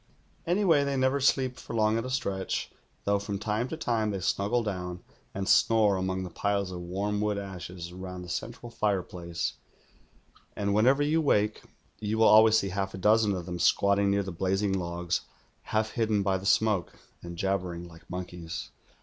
Anyway, they never sleep for long at a stretch, though from time to time they snuggle down and snore among the piles of warm wood ashes round the central fireplace, and whenever you wake, you will always see half a dozen of them squatting near the blazing logs, half hidden by the smoke, and jabbering like monkeys.